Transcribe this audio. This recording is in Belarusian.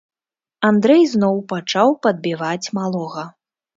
Андрэй зноў пачаў падбіваць малога.